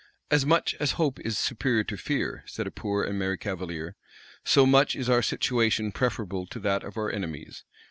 "As much as hope is superior to fear," said a poor and merry cavalier, "so much is our situation preferable to that of our enemies.